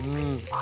あ。